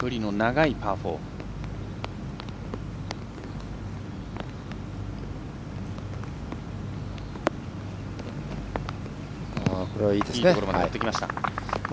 いいところまでもってきました。